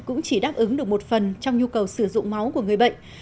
cũng chỉ đáp ứng được một phần trong nhu cầu sử dụng máu của người bệnh